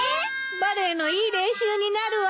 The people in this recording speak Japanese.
バレーのいい練習になるわ。